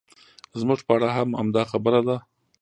زموږ په اړه هم همدا خبره ده.